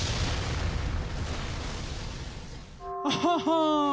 アハハン。